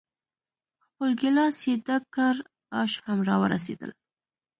خپل ګیلاس یې ډک کړ، آش هم را ورسېدل.